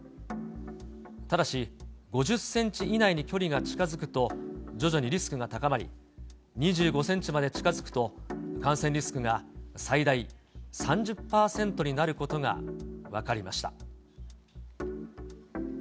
ただし、５０センチ以内に距離が近づくと徐々にリスクが高まり、２５センチまで近づくと、感染リスクが最大３０％になることが分かりました。